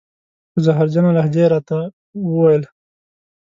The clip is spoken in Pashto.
په زهرجنه لهجه یې را ته و ویل: